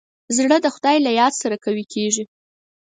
زړه د خدای له یاد سره قوي کېږي.